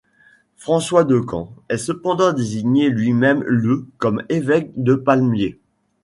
François de Camps est cependant désigné lui-même le comme évêque de Pamiers.